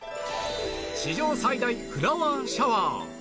史上最大フラワーシャワー。